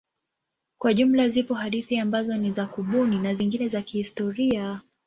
Kwa jumla zipo hadithi ambazo ni za kubuni na zingine za kihistoria.